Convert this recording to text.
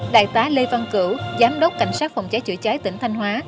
đại tá lê văn cửu giám đốc cảnh sát phòng cháy chữa cháy tỉnh thanh hóa